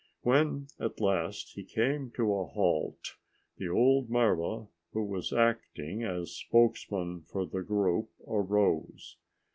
When at last he came to a halt, the old marva who was acting as spokesman for the group arose.